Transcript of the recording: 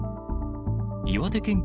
岩手県警